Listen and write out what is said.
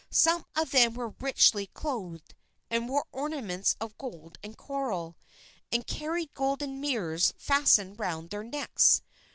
Some of them were richly clothed, and wore ornaments of gold and coral, and carried golden mirrors fastened round their necks.